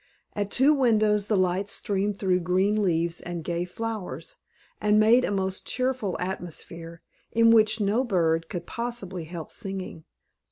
At two windows the light streamed through green leaves and gay flowers, and made a most cheerful atmosphere, in which no bird could possibly help singing.